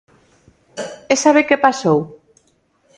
¿E sabe que pasou?